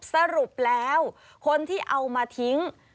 สรุปแล้วคนที่เอามาทิ้ง